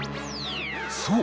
そう！